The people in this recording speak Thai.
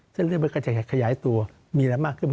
เพราะว่าเวลาอักเสบ